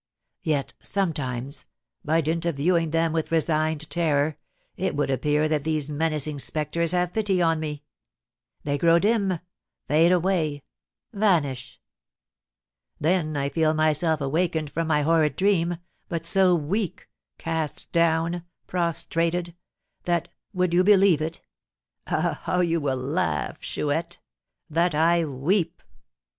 Yet sometimes, by dint of viewing them with resigned terror, it would appear that these menacing spectres have pity on me, they grow dim fade away vanish. Then I feel myself awakened from my horrid dream, but so weak cast down prostrated that would you believe it? ah, how you will laugh, Chouette! that I weep!